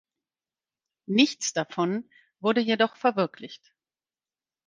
Nichts davon wurde jedoch verwirklicht.